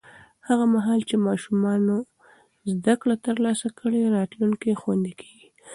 هغه مهال چې ماشومان زده کړه ترلاسه کړي، راتلونکی خوندي کېږي.